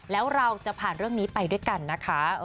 แล้วเราจะผ่านเรื่องนี้ไปด้วยกันนะคะ